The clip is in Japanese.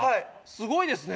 すごいですね。